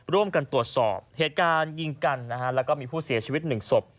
ร่วมกันตรวจสอบเหตุการณ์ยิงกันและมีผู้เสียชีวิต๑ศพ